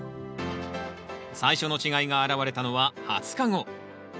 最初の違いが現れたのは２０日後。